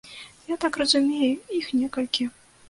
Я так разумею, іх некалькі.